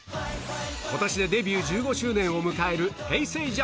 ことしでデビュー１５周年を迎えるＨｅｙ！